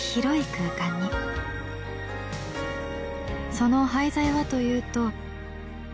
その廃材はというと。